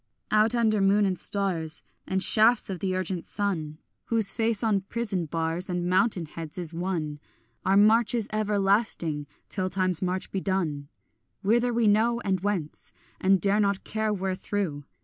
Out under moon and stars And shafts of the urgent sun Whose face on prison bars And mountain heads is one, Our march is everlasting till time's march be done. Whither we know, and whence, And dare not care wherethrough.